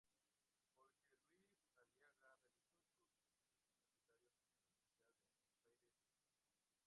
Jorge Luis Aliaga realizó sus estudios universitarios en la Universidad de Buenos Aires.